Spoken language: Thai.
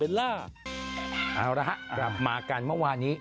เอาละฮะกลับมากันเมื่อวานนี้